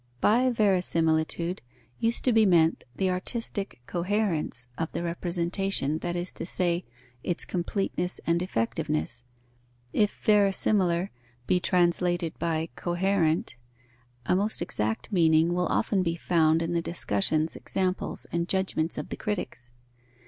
By verisimilitude used to be meant the artistic coherence of the representation, that is to say, its completeness and effectiveness. If "verisimilar" be translated by "coherent," a most exact meaning will often be found in the discussions, examples, and judgments of the critics.